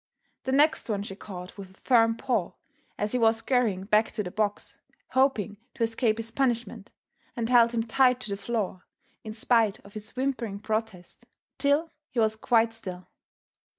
The next one she caught with a firm paw, as he was scurrying back to the box, hoping to escape his punishment, and held him tight to the floor, in spite of his whimpering protest, till he was quite still.